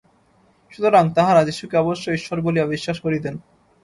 সুতরাং তাঁহারা যীশুকে অবশ্যই ঈশ্বর বলিয়া বিশ্বাস করিতেন।